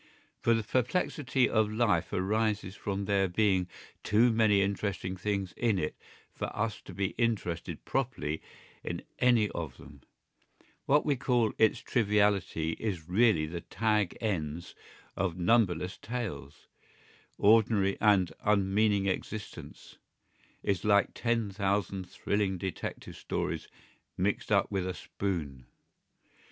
For the perplexity of life arises from there being too many interesting things in it for us to be interested properly in any of them; what we call its triviality is really the tag ends of numberless tales; ordinary and unmeaning existence is like ten thousand thrilling detective stories mixed up with a spoon.